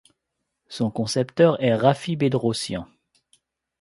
Son concepteur est Rafi Bedrossian.